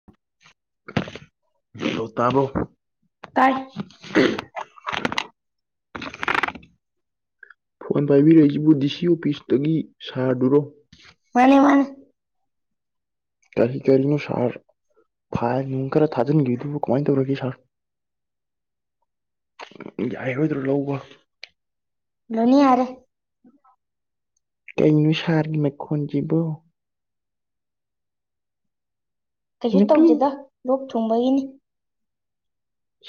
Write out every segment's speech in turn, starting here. [unintelligible] ꯀꯥꯏ ꯐꯣꯟ ꯄꯥꯏꯕꯤꯔꯛꯏꯁꯤꯕꯨ D C ꯑꯣꯐꯤꯁꯇꯒꯤ ꯁꯥꯔꯗꯨꯔꯣ ꯀꯔꯤ ꯀꯔꯤꯅꯣ ꯁꯥꯔ ꯐꯥꯏ ꯅ ꯈꯔ ꯊꯥꯖꯤꯟꯈꯤꯕꯗꯨꯕꯨ ꯀꯃꯥꯏꯅ ꯇꯧꯔꯒꯦ ꯁꯥꯔ ꯎ ꯌꯥꯏꯦ ꯍꯥꯏꯗ꯭ꯔꯣ ꯂꯧꯕ ꯀꯩꯅꯅꯣ ꯁꯥꯔꯒꯤ ꯃꯈꯩꯣꯟꯁꯤꯕꯨꯣ ꯀꯩꯁꯨ ꯇꯧꯗꯦꯗ ꯂꯣꯛ ꯊꯨꯡꯕꯒꯤꯅꯤ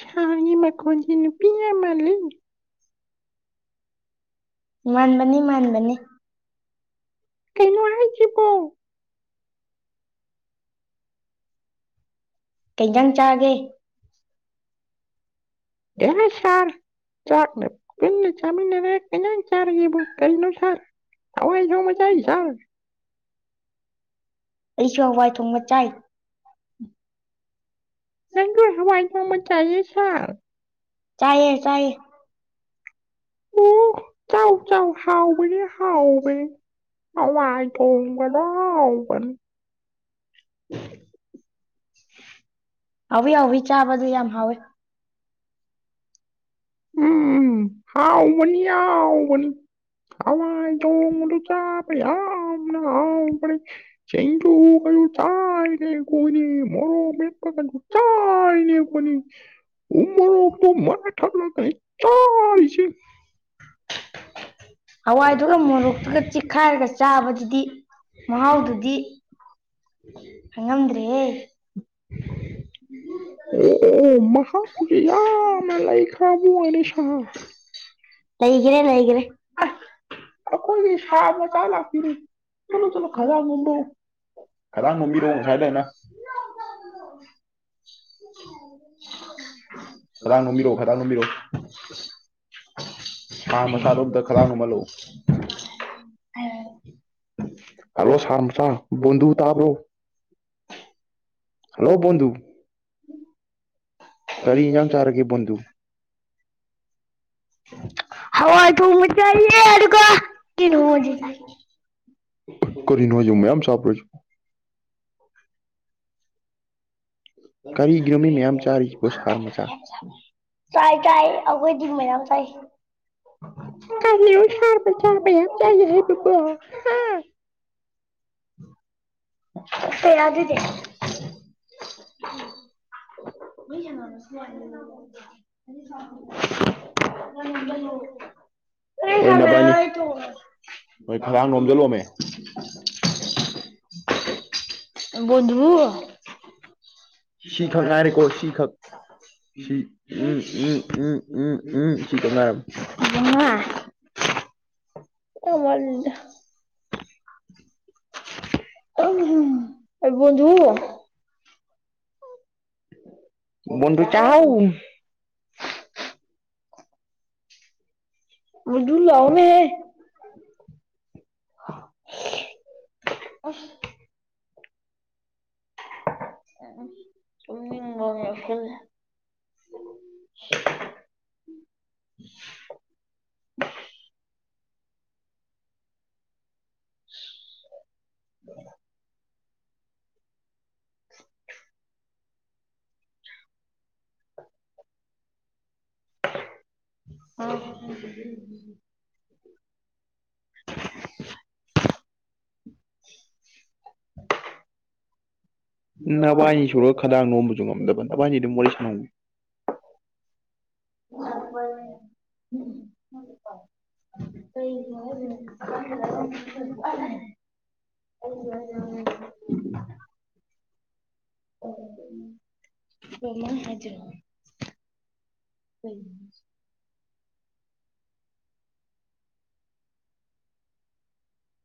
ꯁꯥꯡꯒꯤ ꯃꯈꯈꯣꯟꯁꯤ ꯅꯨꯄꯤꯤꯅ ꯃꯥꯜꯂꯤ ꯃꯥꯟꯕꯅꯤ ꯃꯥꯟꯕꯅꯤ ꯀꯩꯅꯩꯅꯅꯨꯡ ꯍꯥꯏꯥꯏꯁꯤꯕꯣ ꯀꯩꯇꯪ ꯆꯥꯒꯦ ꯗꯃꯦ ꯁꯔ ꯆꯥꯛ ꯄꯤꯜꯂ ꯆꯥꯃꯤꯔ ꯀꯩꯅꯪ ꯆꯥꯔꯒꯕꯨ ꯀꯩꯅꯣ ꯁꯥꯔ ꯍꯋꯥꯏ ꯊꯣꯡ ꯃ ꯆꯥꯏ ꯁꯥꯔ ꯑꯩꯁꯨ ꯍꯋꯥꯏ ꯊꯣꯡꯕ ꯆꯥꯏ ꯎ ꯅꯪ ꯍꯋꯥꯏ ꯃ ꯆꯥ ꯁꯥ ꯎ ꯆꯥꯎꯥꯎ ꯆꯥꯎ ꯍꯥꯎꯥꯎꯕ ꯍꯥꯎꯕ ꯑꯥꯏꯇꯣꯕꯗꯅꯤ [unintelligible] ꯍꯧ ꯍꯧꯕꯤ ꯆꯥꯕꯗꯨ ꯌꯥꯝꯌꯥꯝ ꯍꯦ ꯎꯝ ꯎꯝ ꯍꯥꯎꯥꯎꯃꯅꯤ ꯌꯥꯥꯎꯃꯅꯤ ꯑꯋꯥꯗ ꯃꯗꯨ ꯆ ꯑꯝꯅ ꯑ ꯄ ꯁ ꯇ ꯀ ꯆꯥꯏꯅꯦ ꯀꯣꯏꯅꯤ ꯃꯣꯔ ꯃꯦꯠꯄ ꯆꯥꯏꯅꯦꯄꯅꯤ ꯎꯔ ꯀ ꯆꯥꯔꯤꯁꯤ ꯠꯇꯗꯤ ꯎꯦ ꯑꯣ ꯑꯣ ꯍꯥ ꯌꯥꯝ ꯑꯃ ꯂꯩꯥꯏ ꯀꯕꯕꯨ ꯑꯣꯏꯅꯤ ꯁꯥ ꯑꯁ ꯑꯩꯈꯣꯏꯒꯤ ꯁꯥ ꯃꯆꯥ ꯂꯥꯛꯄꯤꯔꯦ ꯆꯠꯂꯣ ꯆꯠꯂꯣ ꯈꯗꯥꯡ ꯅꯣꯝꯃꯣ ꯗꯗꯥꯡ ꯅꯣꯝꯕꯤꯔꯛꯑꯣ ꯉꯁꯥꯏ ꯗꯨꯃꯥꯏꯅ ꯀꯂꯣ [unintelligible] ꯐꯗꯥꯡ ꯉꯣꯕꯤꯔꯛꯑꯣ ꯐꯗꯥꯡ ꯅꯣꯕꯤꯔꯣꯑꯣ ꯁꯥ ꯃꯁꯥꯗꯣ ꯑꯝꯇ ꯈꯗꯥꯡ ꯅꯣꯝꯍꯜꯂꯣ ꯍꯜꯂꯣ ꯁꯥꯝ ꯁꯥꯥ ꯣꯗ ꯇꯥꯕ꯭ꯔꯣ ꯍꯜꯂꯣ ꯣꯟꯗꯨꯨ ꯀꯔꯤ ꯏꯟꯖꯥꯡ ꯆꯥꯔꯒꯦ ꯕꯟꯗꯨ ꯍ ꯊ ꯑꯀ ꯆ ꯀꯔꯤꯅꯣ ꯃꯌꯥꯝ ꯁꯥ ꯃꯦꯒꯥ ꯆꯥꯏ ꯆꯥꯏ ꯑꯩꯈꯣꯏꯗꯤ ꯃꯌꯥꯝ ꯆꯥꯏ ꯀꯣ ꯁꯥꯥꯄ ꯆꯥꯄ ꯀꯦ ꯇꯔꯗꯤꯗꯤ ꯅ ꯈ ꯕꯣꯟꯗꯨ ꯁꯤꯈꯛ ꯉꯥꯏꯔꯦꯀꯣ ꯁꯤꯈꯛ ꯁꯤ ꯎꯝ ꯎꯝ ꯎꯝ ꯎꯝ ꯎꯝ ꯁꯤꯈꯛ ꯉꯥꯏꯔꯕꯅꯤ ꯀꫭꯝꯃꯜꯂꯤꯗ ꯑꯍꯜ ꯍꯩ ꯕꫭꯟꯗꯨ ꯕꫭꯟꯗꯨ ꯆꯥꯎ ꯕꯥꯟꯗꯨ ꯂꯥꯎꯅꯍꯩ [inaudible] [unintelligible] ꯎꯝ ꯇꯨꯝꯅꯤꯡꯕ ꯌꯥꯎꯁꯜꯂꯦ [inaudible] [inaudible] ꯅꯕꯥꯏꯅꯤ ꯁꯨꯔꯒ ꯈꯗꯥꯡ ꯅꯣꯝꯕꯁꯨ ꯉꯝꯗꯕ ꯅꯕꯥꯏꯅꯤ ꯑꯗꯨꯝ ꯋꯥꯔꯤ ꯁꯥꯟꯅꯧ [inaudible] [inaudible] [inaudible] [inaudible] ꯀꯃꯥꯏ ꯍꯥꯏꯗꯥꯏꯅꫭ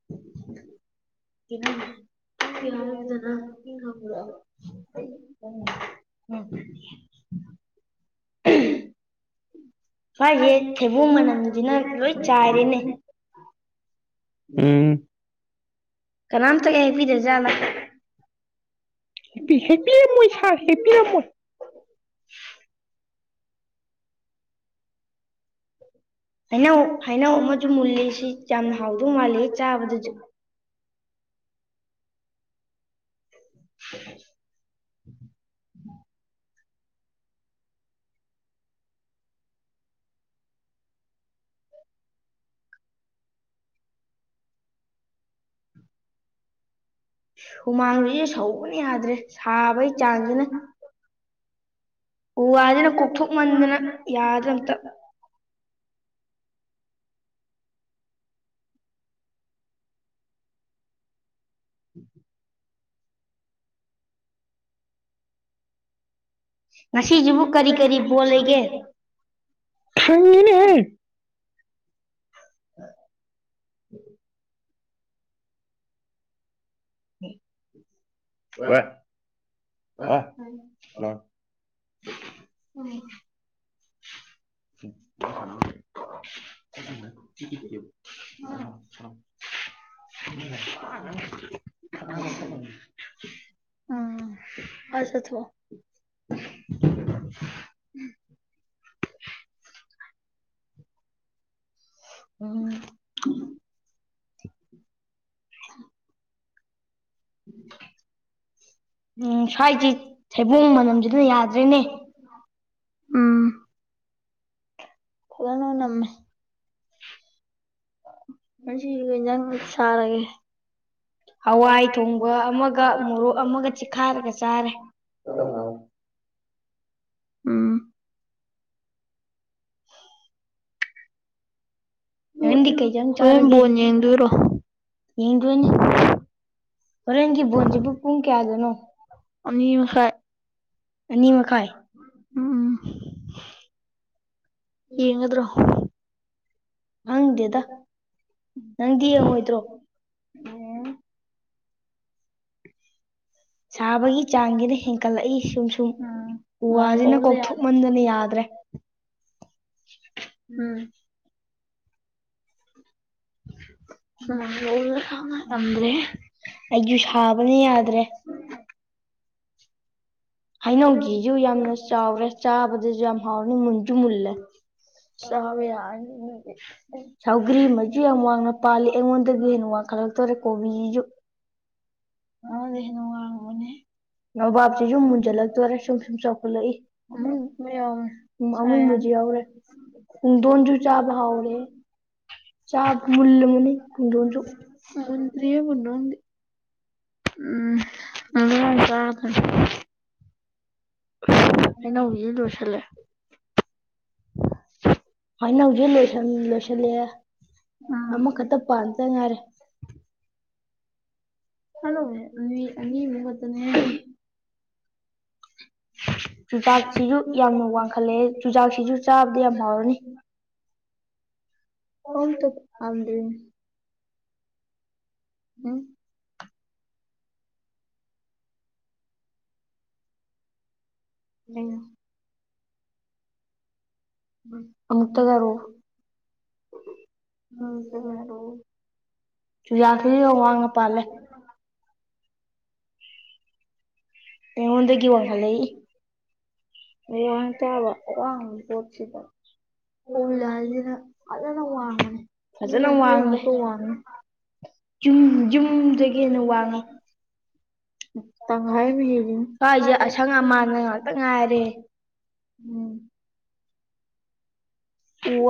[inaudible] ꯍꯪ ꯍꯥꯏꯔꯤꯕꯗꯅ ꯍ ꯍꯥꯕꯗ ꯑꯣꯝ ꯎꯝ ꯁꯋꯥꯏꯖꯦ ꯊꯩꯕꫭꯡ ꯃꯅꯝꯁꯤꯅ ꯂꯣꯏ ꯆꯥꯏꯔꯤꯅꯦ ꯎ ꯀꯅꯥꯝꯇꯒ ꯂꯩꯄꯤꯗ꯭ꯔꯦ ꯖꯥꯠꯂ ꯍꯦꯛꯄꯤꯔꯝꯃꯣꯏ ꯁꯥꯔ ꯍꯦꯛꯄꯤꯔꯝꯃꯣꯏ ꯍꯥꯏꯅꯧ ꯍꯥꯏꯅꯧ ꯑꯃꯁꯨ ꯃꯨꯜꯂꯦ ꯁꯤ ꯌꯥꯝꯅ ꯍꯥꯎꯗꯧ ꯃꯥꯜꯂꯦ ꯆꯥꯕꯗꯁꯨ [inaudible] ꯍꯨꯃꯥꯡꯖꯤꯗꯤ ꯁꯧꯕꯅ ꯌꯥꯗ꯭ꯔꯦ ꯁꯥꯕꯒꯤ ꯆꯥꯡꯖꯤꯅ ꯎꯨ ꯋꯥꯖꯤꯅ ꯀꯣꯛꯊꯣꯛꯃꯟꯗꯅ ꯌꯥꯗꯔ ꯑꯝꯇ [inaudible] ꯉꯁꯤꯁꯨ ꯀꯔꯤ ꯀꯔꯤ ꯐꯣꯟ ꯂꯩꯒꯦ ꯈꯪꯉꯤꯅꯍꯦ [inaudible] [unintelligible] ꯎꯝ ꯑꯣꯏꯋꫭꯏ ꯁꯤ ꯂꯥꯎ [unintelligible] [inaudible] [inaudible] [inaudible] ꯈꯔꯥ ꯆꯊꫭꯛꯑꫭ ꯎꯝ [unintelligible] [inaudible] [unintelligible] ꯎꯝ ꯁ꯭ꯋꯥꯏꯁꯤ ꯊꯩꯕꯣꯡ ꯃꯅꯝꯁꯤꯅ ꯌꯥꯗ꯭ꯔꯦꯅꯦ ꯎꯝ ꯐꯖꯅ ꯅꯝꯃꯦ ꯃꯁꯤꯗꯤ ꯍꯤꯟꯖꯥꯡ ꯆꯔꯒꯦ ꯍꯋꯥꯏ ꯊꯣꯡꯕ ꯑꯃꯒ ꯃꯨꯔꯣꯛ ꯑꯃꯒ ꯆꯤꯈꯥꯏꯔꯒ ꯆꯥꯔꯦ ꯑ ꯎꯝ ꯅꯪꯗꯤ ꯀꯩ ꯍꯤꯟꯖꯥꯡ ꯆꯥꯔꯒꯦ ꯌꯦꯡꯗꯅꯦ ꯍꯣꯔꯦꯟꯒꯤ ꯕꯣꯟꯖꯤꯕꯨ ꯄꯨꯡ ꯀꯌꯥꯗꯅꯣ? ꯑꯅꯤ ꯃꯈꯥꯏ ꯎꯝ ꯌꯦꯡꯉꯗ꯭ꯔꯣ ꯦ ꯎ ꯝ ꯍ ꯌꯥ ꯎꯝ ꯅ꯭ꯔꯦ ꯍꯩꯅꯧꯖꯤꯁꯨ ꯌꯥꯝꯅ ꯆꯥꯎꯔꯦ ꯆꯥꯕꯗꯁꯨ ꯌꯥꯝ ꯍꯥꯎꯔꯅꯤ ꯃꯨꯟꯖꯨ ꯃꯨꯜꯂꯦ ꯆꯕ ꯌꯥꯔꯅꯤ ꯍꯩꯅꯧꯖꯤ ꯁꯥꯎꯒ꯭ꯔꯤ ꯑꯃꯁꯨ ꯌꯥꯝ ꯋꯥꯡꯅ ꯄꯥꯜꯂꯤ ꯑꯩꯉꯣꯟꯗꯗꯒꯤ ꯍꯦꯟꯅ ꯋꯥꯡꯈꯠꯂꯛꯇꯧꯔꯦ ꯀꯣꯕꯤꯖꯤꯖꯨ ꯑꯅꯉꯅꯦ ꯅꯣꯕꯥꯞ ꯁꯤꯖꯨ ꯃꯨꯟꯖꯜꯂꯛꯇꯣꯔꯦ ꯁꯨꯝ ꯁꯨꯝ ꯆꯥꯎꯈꯠꯂꯛꯏ ꯑ ꯃꯨꯟꯗꯔꯤꯌꯦ ꯃꯨꯟꯕꯕꯨꯗꯤ ꯎꯝ ꯑꯗ [unintelligible] ꯍꯩꯅꯧꯒꯤꯗꯤ ꯂꯣꯏꯁꯜꯂꯛ ꯑꯦ ꯍꯣꯏꯅ ꯍꯧꯖꯤꯛ ꯂꯣꯏꯁꯤꯜꯂꯑꯦ ꯑꯃꯈꯛꯇ ꯄꯥꯟꯗ ꯉꯥꯏꯔꯦ ꯍꯜꯂꯣ ꯌꯦꯠꯇꯅꯦ ꯆꯨꯖꯥꯛꯁꯤꯁꯨ ꯌꯥꯝꯅ ꯋꯥꯡꯈꯠꯂꯦ ꯆꯨꯖꯥꯛꯁꯤꯁꯨ ꯆꯥꯕꯗ ꯌꯥꯝ ꯍꯥꯎꯔꯅꯤ ꯑꯣꯝ ꯇꯗꯅꯤ ꯎꯝ ꯑ ꯑꯃꯨꯛꯇꯒ ꯍꯥꯏꯔꯛꯑꯣ ꯌꯥꯒ ꯋꯥ ꯆ ꯑꯩꯉꯣꯟꯗꯒꯤ ꯋꯥꯏꯍꯜꯂꯛꯏ ꯋꯥꯡ ꯇꯕ ꯋꯥ ꯄꯣꯠꯁꯤꯗ ꯎꯜꯂ ꯍꯥꯏꯖꯤꯅ ꯐꯖꯅ ꯋꯥꯡꯕꯅꯤ ꯃꯤ ꯌꯥꯡꯈꯩꯃꯨꯛꯀ ꯋꯥꯡꯅꯤ꯫ ꯎꯝ ꯏꯗꯤ ꯀꯥ ꯇꯪꯈꯥꯏ ꯑꯃ ꯍꯦꯜꯂꯤꯉꯣ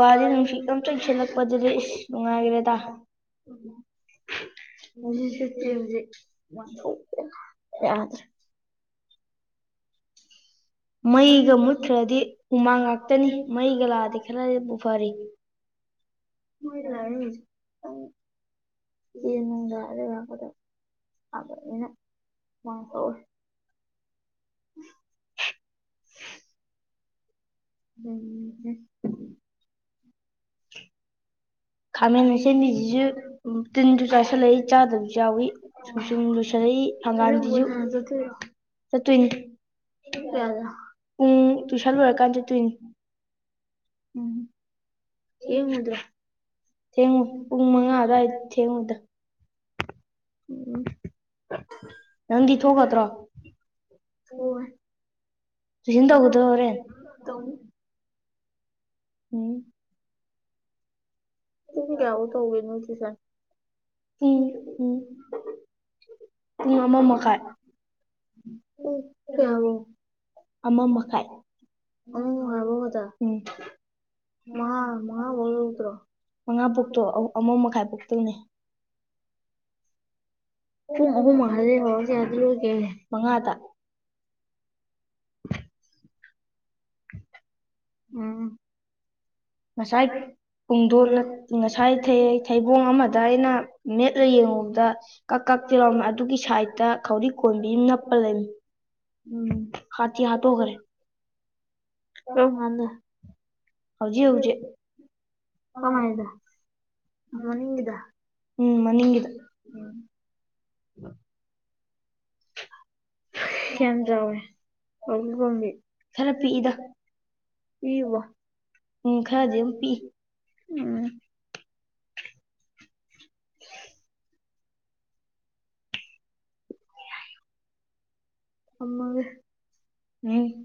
ꯄꯔ ꯌꯦ ꯍꯧꯖꯤ ꯁꯇꯦ ꯍꯧꯖꯤ ꯃ ꯌꯥꯗ꯭ꯔꯦ ꯃꯩꯒ ꯃꯨꯠꯈ꯭ꯔꯗꯤ ꯍꯨꯃꯥꯡ ꯉꯥꯛꯇꯅꯤ ꯃꯩꯒ ꯂꯥꯛꯑꯗꯤ ꯈꯔꯗꯤꯕꯨ ꯐꯔꯤ ꯃꯣꯏ ꯂꯔ ꯪ ꯌꯦꯅꯨꯡ ꯑꯗꯨ ꯂꯩꯔꯥꯛꯄꯗꯣ ꯁꯥꯕꯅꯤꯅ ꯍꯨꯃꯥꯡ ꯍꯧꯋꯦ ꯎ ꯎꯝꯝ ꯑ ꯑ ꯃ ꯊ ꯑꯗꯨꯗꯤ ꯆꯠꯇꯣꯏꯅꯤ ꯄꯨꯡ ꯇꯨꯁꯟ ꯂꯣꯏꯔꯀꯥꯟꯗ ꯆꯠꯇꯣꯏꯅꯤ ꯉ ꯊꯦꯡꯉꯨ ꯄꯨꯡ ꯃꯉꯥ ꯑꯗꯨꯋꯥꯏꯗ ꯊꯦꯡꯉꯨꯗ ꯎꯝ ꯅꯗꯤ ꯊꯣꯛꯀꯇꯗꯔꯣ ꯌꯦꯅ ꯇꯧ ꯎꯝ ꯇ ꯀ ꯇꯧꯒꯅꯁꯤ ꯁ ꯑꯣ ꯀꯦ ꯑꯃ ꯃꯈꯥꯏ ꯎꯝ ꯃꯉꯥ ꯄꯣꯛꯇꯣ ꯑꯃ ꯃꯈꯥꯏ ꯄꯣꯛ ꯇꯣꯏꯅꯦ ꯃ ꯍꯨ ꯃꯥꯔꯗ ꯍꯧꯔ ꯌꯥꯗ ꯂꯒꯦ [unintelligible] ꯎꯝ ꯉꯁꯥꯏ ꯄꯨꯡꯗꯣꯅ ꯉꯁꯥꯏ ꯊꯩꯕꯣꯡ ꯑꯃꯗ ꯑꯩꯅ ꯃꯦꯠꯂ ꯌꯦꯡꯉꯨꯕꯗ ꯀꯛ ꯀꯛꯇꯤꯔꯣꯝꯃꯦ ꯑꯗꯨꯒꯤ ꯁꯥꯏꯗꯠꯇ ꯈꯧꯔꯤꯛ ꯀꯣꯟꯕꯤ ꯅꯞꯄ ꯂꯩꯃꯤ ꯍꯥꯊꯤ ꯍꯥꯠꯇꯣꯈꯔꯦ ꯍꯧꯖꯤꯛ ꯍꯧꯖꯤꯛ ꯃꯅꯤꯡꯗ [unintelligible] ꯀꯌꯥꯝ ꯆꯥꯎꯋꯦ [unintelligible] ꯏ ꯋꯥ ꯎꯝ ꯊꯝꯃꯒꯦ [unintelligible]